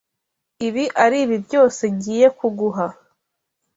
Ibi aribi byose ngiye kuguha.